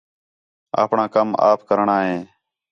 آپݨاں کَم آپ کرݨاں ہِے